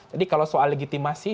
jadi kalau soal legitimasi